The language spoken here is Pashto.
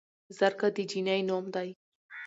زرکه د جينۍ نوم دے